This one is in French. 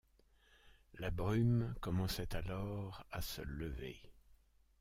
La brume commençait alors à se lever.